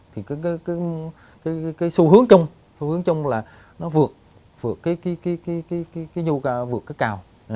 thì cái xu hướng chung là nó vượt cái nhu vượt cái cào